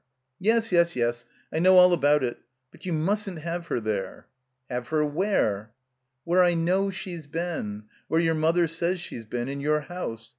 Yes, yes, yes. I know all about it. But you mustn't have her there." "Have her where?" "Where I know she's been — ^where your mother says she's been — ^in your house.